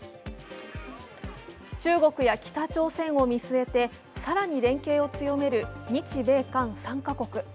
中国や北朝鮮を見据えて更に連携を強める日米韓３か国。